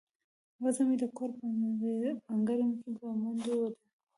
وزه مې د کور په انګړ کې په منډو ده.